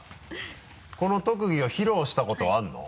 この特技を披露したことはあるの？